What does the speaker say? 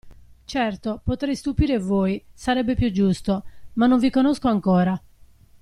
Certo, potrei stupire voi, sarebbe più giusto, ma non vi conosco ancora.